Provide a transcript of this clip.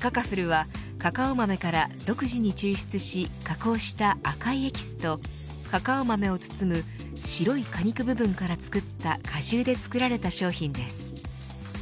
カカフルはカカオ豆から独自に抽出し加工した赤いエキスとカカオ豆を包む白い果肉部分から作った果汁で作られた商品です。